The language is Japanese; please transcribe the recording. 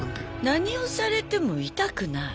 何をされても痛くない？